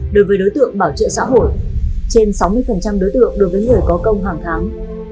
đối với đối tượng bảo trợ xã hội trên sáu mươi đối tượng đối với người có công hàng tháng